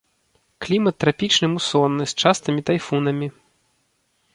Клімат трапічны мусонны з частымі тайфунамі.